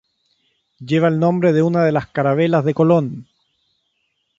Lleva el nombre de una de las carabelas de Colón.